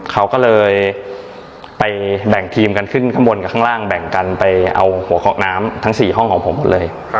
เขาก็เลยไปแบ่งทีมกันขึ้นข้างบนกับข้างล่างแบ่งกันไปเอาหัวเคาะน้ำทั้ง๔ห้องของผมหมดเลย